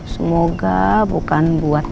semoga bukan buat